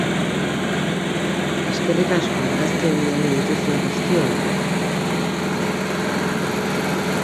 Eskerrik asko argazkiak bidali dituzuen guztioi!